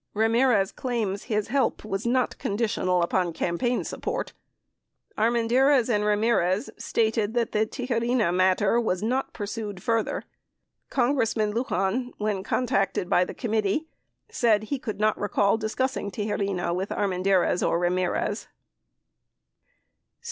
Ramirez claims his help was not conditioned upon campaign support. Armendariz and Ramirez stated that the Tijerina matter was not pursued further. Congressman Lujan, when contacted by the commit tee, said he could not recall discussing Tijerina with Armendariz or Ramirez.